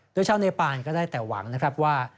โดยชาวเนปานก็ได้แต่หวังนะครับว่า